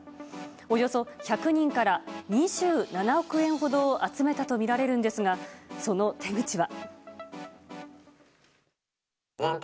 およそ１００人から２７億円ほどを集めたとみられるんですがその手口は。